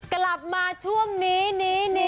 กลับมาช่วงฮิ้น